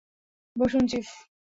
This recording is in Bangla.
বসুন, চিফ।